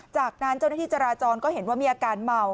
จากนั้นเจ้าหน้าที่จราจรก็เห็นว่ามีอาการเมา